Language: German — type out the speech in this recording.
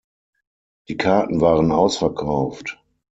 Die Karten waren ausverkauft.